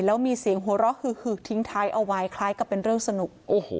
แล้วมีเสียงหัวถึงท้ายเอาไว้คล้ายกับเป็นเรื่องสนุก